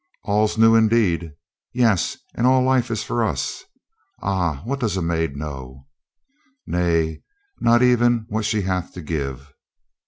"All's new indeed. Yes, and all life is for us. Ah, what does a maid know?" "Nay, not even what she hath to give."